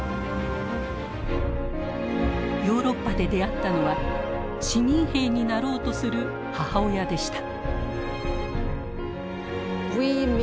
ヨーロッパで出会ったのは市民兵になろうとする母親でした。